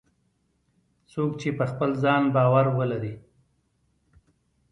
څوک چې په خپل ځان باور ولري